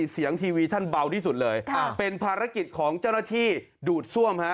ทีวีท่านเบาที่สุดเลยเป็นภารกิจของเจ้าหน้าที่ดูดซ่วมฮะ